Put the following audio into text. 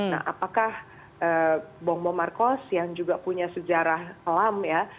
nah apakah bomong markos yang juga punya sejarah alam ya